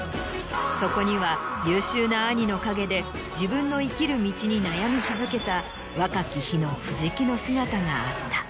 そこには優秀な兄の陰で自分の生きる道に悩み続けた若き日の藤木の姿があった。